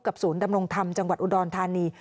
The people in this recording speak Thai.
ศูนย์ดำรงธรรมจังหวัดอุดรธานี